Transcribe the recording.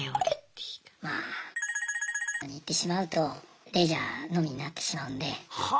まぁに行ってしまうとレジャーのみになってしまうんで。